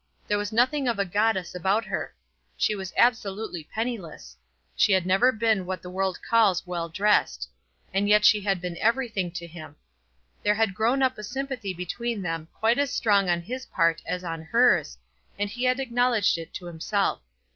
There was nothing of a goddess about her. She was absolutely penniless. She had never been what the world calls well dressed. And yet she had been everything to him. There had grown up a sympathy between them quite as strong on his part as on hers, and he had acknowledged it to himself.